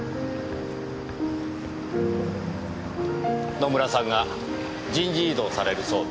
野村さんが人事異動されるそうです。